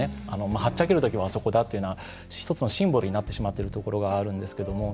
はっちゃける時はあそこだっていうような１つのシンボルになってしまっているところがあるんですけれども。